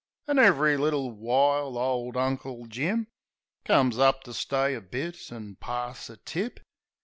An' ev'ry little while ole Uncle Jim Comes up to stay a bit an' pass a tip.